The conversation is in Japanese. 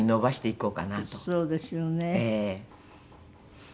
そうですよね。